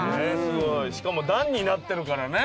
しかも段になってるからね。